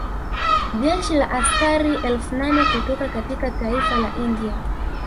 Jeshi la askari elfu nane kutoka katika taifa la India